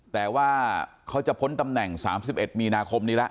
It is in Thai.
แต่ว่าเขาจะพ้นตำแหน่ง๓๑มีนาคมนี้แล้ว